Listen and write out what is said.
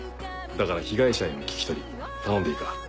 だから被害者への聞き取り頼んでいいか？